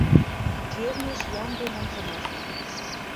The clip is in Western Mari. Фермеш ямден омжымат.